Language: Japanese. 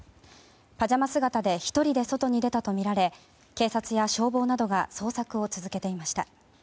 パジャマ姿で１人で外に出たとみられ警察や消防などが捜索を続けていました。